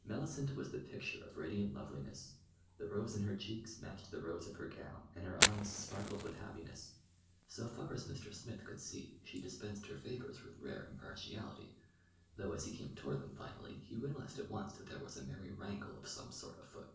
Mellicent was the picture of radiant loveliness. The rose in her cheeks matched the rose of her gown, and her eyes sparkled with happiness. So far as Mr. Smith could see, she dispensed her favors with rare impartiality; though, as he came toward them finally, he realized at once that there was a merry wrangle of some sort afoot.